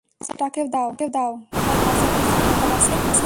বাচ্চাটাকে দাও - ভাই, কাছাকাছি কোন হাসপাতাল আছে?